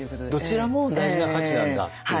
どちらも大事な価値なんだっていう。